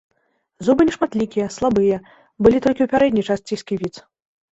Зубы нешматлікія, слабыя, былі толькі ў пярэдняй частцы сківіц.